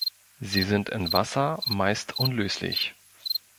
Sie sind in Wasser meist unlöslich.